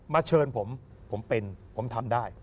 เชิญผมผมเป็นผมทำได้